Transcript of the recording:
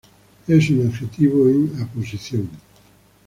Es un adjetivo en aposición.